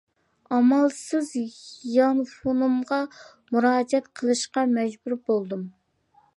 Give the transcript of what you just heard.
ئامالسىز يانفونۇمغا مۇراجىئەت قىلىشقا مەجبۇر بولدۇم.